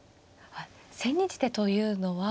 千日手というのは。